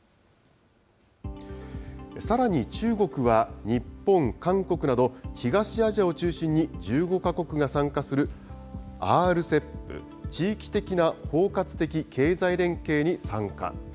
さらに中国は日本、韓国など、東アジアを中心に１５か国が参加する、ＲＣＥＰ、地域的な包括的経済連携に参加。